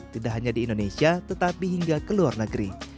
tidak hanya di indonesia tetapi hingga ke luar negeri